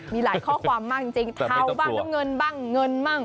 มีหลายข้อความมากจริงเทาบ้างน้ำเงินบ้างเงินบ้าง